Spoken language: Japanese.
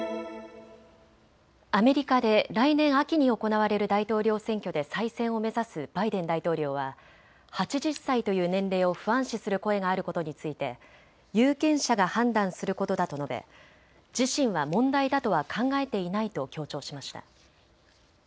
アメリカで来年秋に行われる大統領選挙で再選を目指すバイデン大統領は８０歳という年齢を不安視する声があることについて有権者が判断することだと述べ自身は問題だとは考えていないと強調しました。